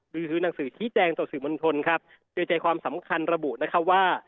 ดูซื้อหนังสือที่แจงต่อการสื่อมนตัวคนโดยใจความสำคัญระบุนะครับว่า